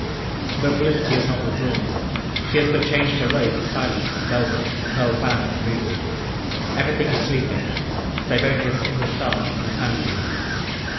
But Felicity has not withdrawn; she has but changed her robe for silence, velvet, and the pearl fan of the moon. Everything is sleeping, save only a single star, and the pansies.